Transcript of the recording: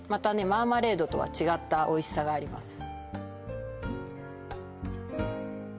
マーマレードとは違ったおいしさがあります